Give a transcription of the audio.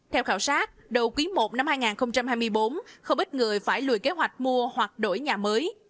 theo khảo sát đầu quý i năm hai nghìn hai mươi bốn không ít người phải lùi kế hoạch mua hoặc đổi nhà mới